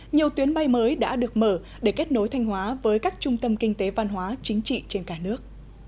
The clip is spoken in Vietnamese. nhiều tuyến bay mới đã được mở để kết nối thanh hóa với các trung tâm kinh tế văn hóa chính trị trên cả nước